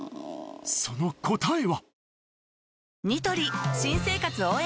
その答えは？